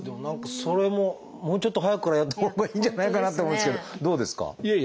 それももうちょっと早くからやったほうがいいんじゃないかなって思うんですけどどうですか？